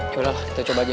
ya udah kita coba aja